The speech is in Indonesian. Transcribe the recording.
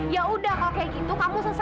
ya udah kalau kayak gitu kamu selesai